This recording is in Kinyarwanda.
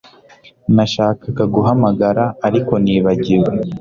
Nashakaga guhamagara ariko nibagiwe